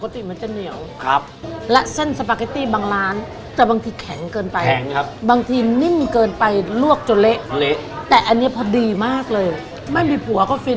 แต่อันนี้หนูไม่ใช่แฟนแม่